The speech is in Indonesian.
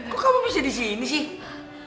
kok kamu bisa di sini sih